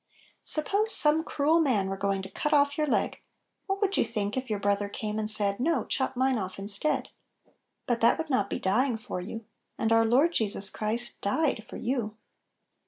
Suppose some cruel man were going to cut off your leg, what would you think if your brother came and said, " No ; chop mine off instead !" But that 56 Little Pillows. would not be dying foi you. And "our Lord Jesus Christ died " for you.